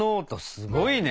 すごいね。